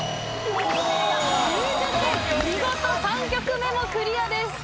見事３曲目もクリアです。